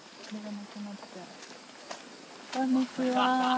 こんにちは。